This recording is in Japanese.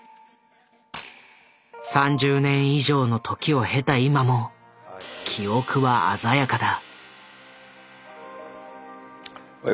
３０年以上の時を経た今も記憶は鮮やかだ。